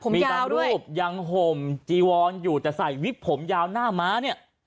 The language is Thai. มีบางรูปยังห่มจีวอนอยู่แต่ใส่วิกผมยาวหน้าม้าเนี่ย